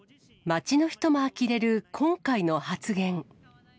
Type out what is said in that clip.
街の人もあきれる、今回の発言。